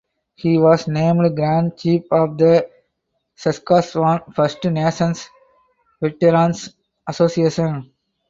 He was named Grand Chief of the Saskatchewan First Nations Veterans Association.